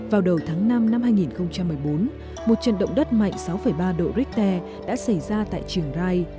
vào đầu tháng năm năm hai nghìn một mươi bốn một trận động đất mạnh sáu ba độ richter đã xảy ra tại trường rai